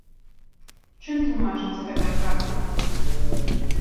Чым тлумачыцца такая практыка?